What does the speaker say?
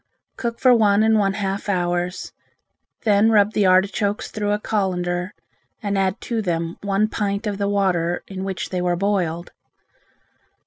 Cook for one and one half hours. Then rub the artichokes through a colander and add to them one pint of the water in which they were boiled.